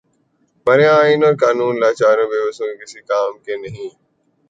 ہمارے ہاں آئین اور قانون لاچاروں اور بے بسوں کے کسی کام کے نہیں۔